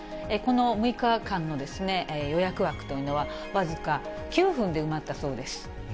この６日間の予約枠というのは、僅か９分で埋まったそうです。